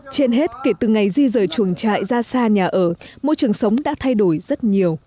trên hết kể từ ngày di rời chuồng trại ra xa nhà ở môi trường sống đã thay đổi rất nhiều